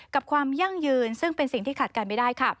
ความยั่งยืนซึ่งเป็นสิ่งที่ขัดกันไม่ได้ค่ะ